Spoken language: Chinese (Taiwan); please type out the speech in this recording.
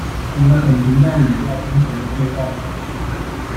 由本頻道語料編成的廢話大全